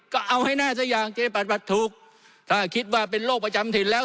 ก็เอาให้แน่ซะอย่างจะได้ปรับปรับถูกถ้าคิดว่าเป็นโรคประจำถิ่นแล้ว